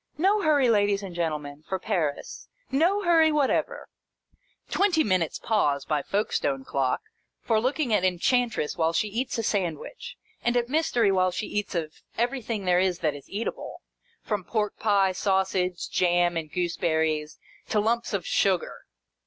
No hurry, ladies and gentle men, for Paris. No hurry whatever !" Twenty minutes' pause, by Folkestone clock, for looking at Enchantress while she eats a sandwich, and at Mystery while she eats of everything there that is eatable, from pork pie, sausage, jam, and gooseberries, to lumps of sugar.